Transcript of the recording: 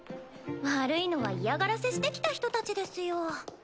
悪いのは嫌がらせしてきた人たちですよ。